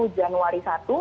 lalu di januari satu